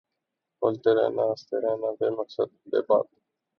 بولتے رہنا ہنستے رہنا بے مقصد بے بات